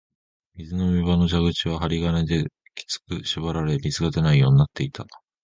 水飲み場の蛇口は針金できつく縛られ、水が出ないようになっていた